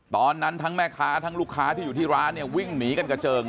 ตอนนั้นทั้งแม่ค้าทั้งลูกค้าที่อยู่ที่ร้านเนี่ยวิ่งหนีกันกระเจิง